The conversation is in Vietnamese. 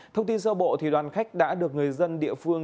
thông tin sơ bộ đoàn khách đã được người dân địa phương